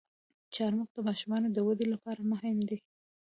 چارمغز د ماشومانو د ودې لپاره مهم دی.